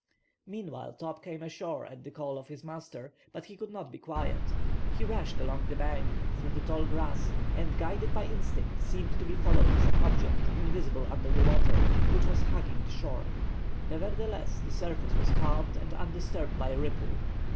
Meantime, Top came ashore at the call of his master, but he could not be quiet; he rushed along the bank, through the tall grass, and, guided by instinct, seemed to be following some object, invisible under the water, which was hugging the shore. Nevertheless the surface was calm and undisturbed by a ripple.